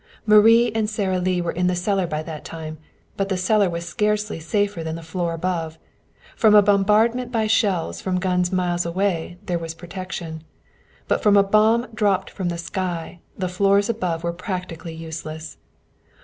Marie and Sara Lee were in the cellar by that time, but the cellar was scarcely safer than the floor above. From a bombardment by shells from guns miles away there was protection. From a bomb dropped from the sky, the floors above were practically useless.